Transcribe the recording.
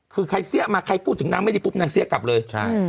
คือใครเสี้ยมาใครพูดถึงนางไม่ดีปุ๊บนางเสี้ยกลับเลย